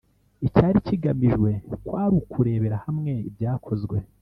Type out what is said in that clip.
Icyari kigamijwe kwari ukurebera hamwe ibyakozwe